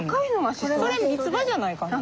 それミツバじゃないかな？